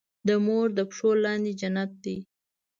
د مور د پښو لاندې جنت دی.